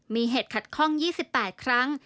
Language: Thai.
มีเหตุขัดข้อง๒๘ครั้ง